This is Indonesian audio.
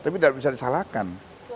tapi tidak bisa disalahkan